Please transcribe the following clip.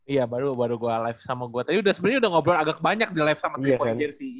iya baru baru gue live sama gue tadi sebenernya udah ngobrol agak banyak di live sama tripoin jersey